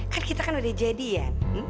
kan kita kan udah jadi ya